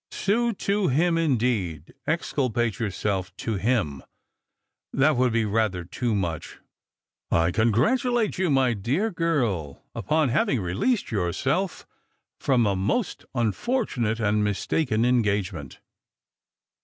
" Sue to him, indeed— exculpate yourself to him !— that would be rather too much. I congratu 218 Strangers and Pilgrintg. late you, my dear girl, upon having released yourself from 2 lost unfortunate and mistaken engagement."